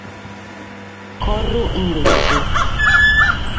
Corru inglesu.